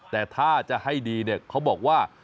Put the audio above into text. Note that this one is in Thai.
แต่ถ้าจะให้ดีเนี่ยเขาบอกว่า